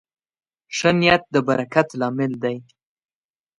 ښه نیت د برکت لامل دی.